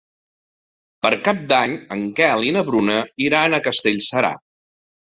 Per Cap d'Any en Quel i na Bruna iran a Castellserà.